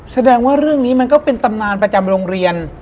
แสดงว่าเรื่องนี้มันก็เป็นตำนานประจำโรงเรียน